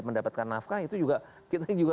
mendapatkan nafkah itu juga kita juga